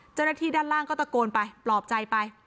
เจ้าหน้าที่ด้านล่างก็ตะโกนไปปลอบใจไป